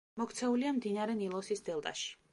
მოქცეულია მდინარე ნილოსის დელტაში.